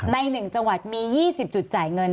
ใน๑จังหวัดมี๒๐จุดจ่ายเงิน